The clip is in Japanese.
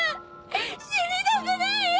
死にたくないよ！